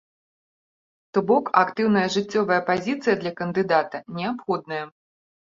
То бок, актыўная жыццёвая пазіцыя для кандыдата неабходная.